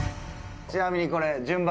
ちなみにこれ順番。